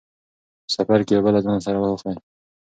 په سفر کې اوبه له ځان سره واخلئ.